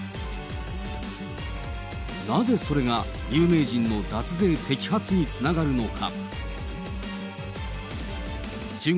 なぜそれが有名人の脱税摘発につながるのか。